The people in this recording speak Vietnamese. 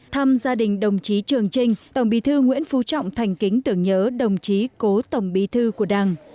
thăm gia đình đồng chí trường trinh tổng bí thư nguyễn phú trọng thành kính tưởng nhớ đồng chí cố tổng bí thư của đảng